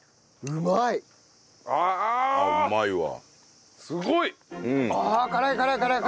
うまいわ。